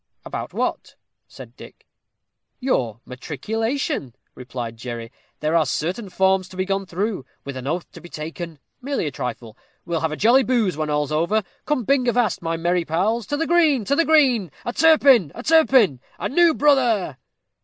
"About what?" asked Dick. "Your matriculation," replied Jerry. "There are certain forms to be gone through, with an oath to be taken, merely a trifle. We'll have a jolly booze when all's over. Come bing avast, my merry pals; to the green, to the green: a Turpin! a Turpin! a new brother!"